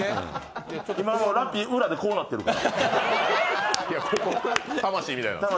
今、ラッピー、裏でこうなってるから。